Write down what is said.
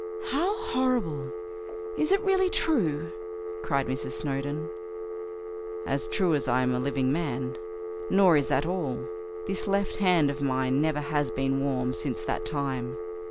"How horrible! Is it really true?" cried Mrs. Snowdon. "As true as I am a living man. Nor is that all: this left hand of mine never has been warm since that time.